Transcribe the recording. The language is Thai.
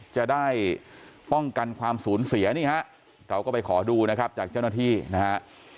จะได้ป้องกันความสูญเสียนี่ฮะเราก็ไปขอดูนะครับจากเจ้าหน้าที่นะฮะ